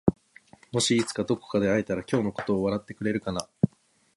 もしいつかどこかで会えたら今日のことを笑ってくれるかな？